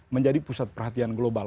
menjadi pusat perhatian global